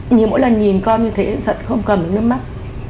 như mỗi lần nhìn con như thế thật không cầm được nước mắt